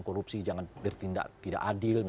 korupsi jangan bertindak tidak adil